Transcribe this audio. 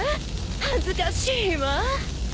恥ずかしいわ。